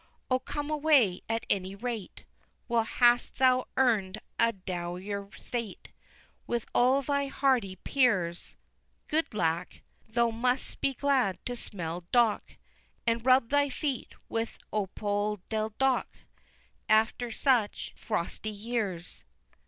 O come away at any rate Well hast thou earn'd a downier state With all thy hardy peers Good lack, thou must be glad to smell dock, And rub thy feet with opodeldock, After such frosty years.